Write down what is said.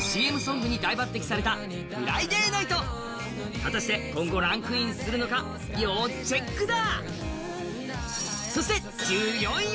果たして今後、ランクインするのか、要チェックだ。